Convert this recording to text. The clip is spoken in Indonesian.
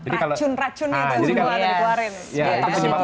racun racunnya itu yang dikeluarkan